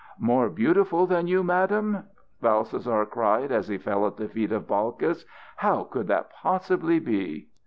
"More beautiful than you, madam," Balthasar cried as he fell at the feet of Balkis, "how could that possibly be!"